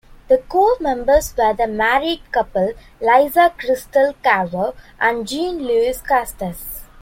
The core members were the married couple Lisa Crystal Carver and Jean-Louis Costes.